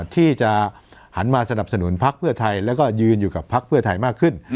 ที่จะหันมาสนับสนุนพักเพื่อไทยแล้วก็ยืนอยู่กับพักเพื่อไทยมากขึ้น